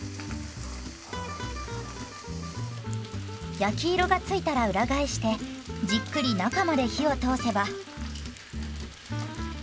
焼き色が付いたら裏返してじっくり中まで火を通せば。